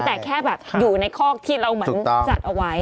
แต่แค่อยู่ในคอกที่เราจัดเอาไว้